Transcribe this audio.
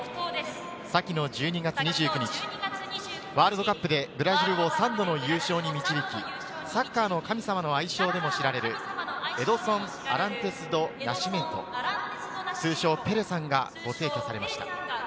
先の１２月２９日、ワールドカップでブラジルを３度の優勝に導き、「サッカーの神様」の愛称でも知られるエドソン・アランテス・ド・ナシメント、通称・ペレさんがご逝去されました。